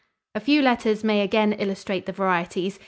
A few letters may again illustrate the varieties.